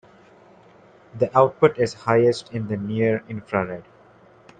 The output is highest in the near infrared.